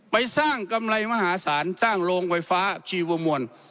ไปสร้างกำไรมหาศาลสร้างโรงไฟฟ้าชีวมวล